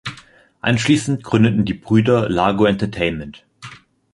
Anschließend gründeten die Brüder Largo Entertainment.